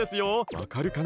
わかるかな？